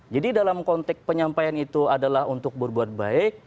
jadi dalam konteks penyampaian itu adalah untuk berbuat baik